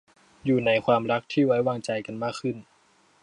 อยู่ในความรักที่ไว้วางใจกันมากขึ้น